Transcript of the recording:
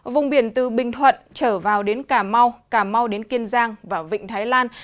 vùng biển từ bình thuận trở vào đến cà mau cà mau đến kiên giang và vịnh thái lan